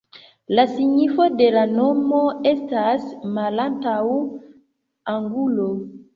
La signifo de la nomo estas "malantaŭa angulo".